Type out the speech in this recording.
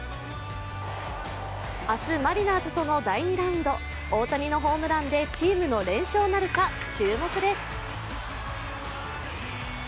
明日、マリナーズとの第２ラウンド、大谷のホームランでチームの連勝なるか、注目です。